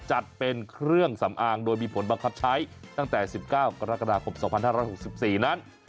จัดเป็นเครื่องสำอางโดยมีผลบังคับใช้ตั้งแต่๑๙กรกฎาคม๒๕๖๔นั้น